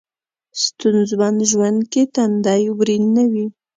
ستونځمن ژوند کې تندی ورین نه وي.